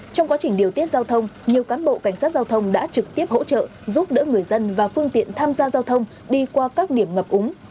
trong quá trình điều tiết giao thông nhiều cán bộ cảnh sát giao thông đã trực tiếp hỗ trợ giúp đỡ người dân và phương tiện tham gia giao thông đi qua các điểm ngập úng